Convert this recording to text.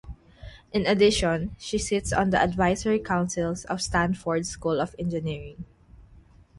In addition, she sits on the advisory councils of Stanford's School of Engineering.